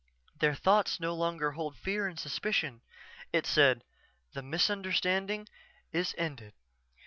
"Their thoughts no longer hold fear and suspicion," it said. "_The misunderstanding is ended.